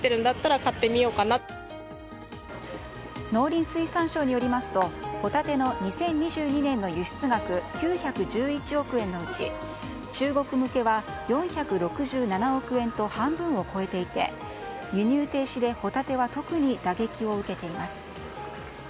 農林水産省によりますとホタテの２０２２年の輸出額９１１億円のうち中国向けは４６７億円と半分を超えていて輸入停止でホタテは特に打撃を受けています。